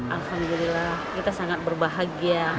alhamdulillah kita sangat berbahagia